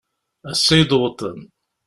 Ass-a i d-wwḍen.